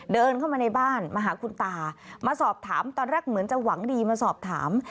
เดินเข้ามาในบ้านมาหาคุณตามาสอบถามตอนแรกเหมือนจะหวังดีมาสอบถาม